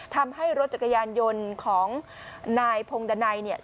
ทำให้รถจักรยานยนต์ของนายพงดันัยเนี่ย